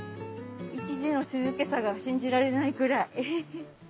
一時の静けさが信じられないくらい。